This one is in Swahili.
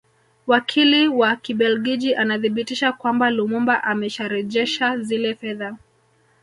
Wakili wa Kibelgiji akathibitisha kwamba Lumumba amesharejesha zile fedha